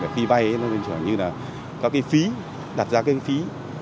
khi vay như là có cái phí đặt ra cái phí